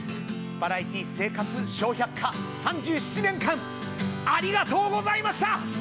『バラエティー生活笑百科』３７年間ありがとうございました！